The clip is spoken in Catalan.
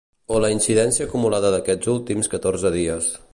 O la incidència acumulada d’aquests últims catorze dies.